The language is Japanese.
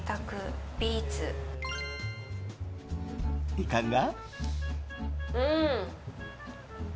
いかが？